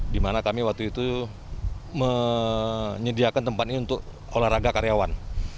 di mana kami waktu itu menyediakan tempat ini untuk olahraga karyawan